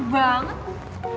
habis itu anak aneh banget